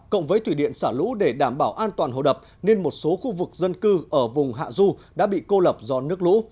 cộng với thủy điện xả lũ để đảm bảo an toàn hồ đập nên một số khu vực dân cư ở vùng hạ du đã bị cô lập do nước lũ